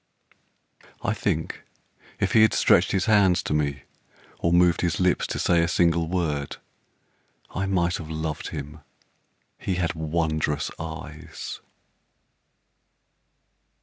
I think if he had stretched his hands to me, Or moved his lips to say a single word, I might have loved him he had wondrous eyes.